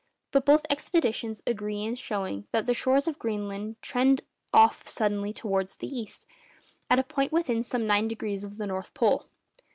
But both expeditions agree in showing that the shores of Greenland trend off suddenly towards the east at a point within some nine degrees of the North Pole.